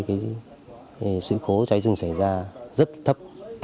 thì sự khố cháy rừng xảy ra rất thấp